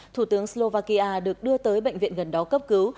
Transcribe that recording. thủ tướng slovakia được đưa tới bệnh viện gần đó cấp cứu